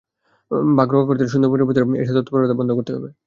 বাঘ রক্ষা করতে হলে সুন্দরবনের ভেতরে এসব তৎপরতা বন্ধ করতে হবে।